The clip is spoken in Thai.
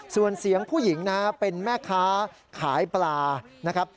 ส่วนเสียงผู้หญิงนะครับเป็นแม่ค้าขายปลานะครับ